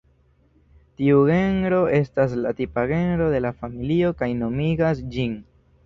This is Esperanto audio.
Tiu genro estas la tipa genro de la familio kaj nomigas ĝin.